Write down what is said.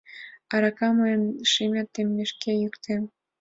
Арака мыйын, шерет теммешке йӱктем!